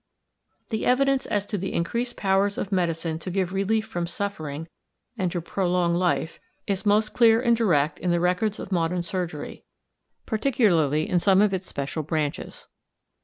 The evidence as to the increased powers of medicine to give relief from suffering and to prolong life is most clear and direct in the records of modern surgery particularly in some of its special branches.